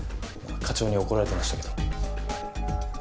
課長に怒られてましたけど。